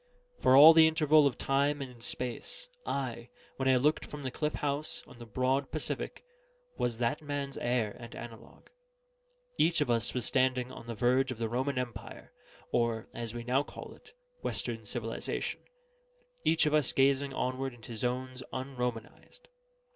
For all the interval of time and space, I, when I looked from the cliff house on the broad Pacific, was that man's heir and analogue: each of us standing on the verge of the Roman Empire (or, as we now call it, Western civilization), each of us gazing onward into zones unromanised.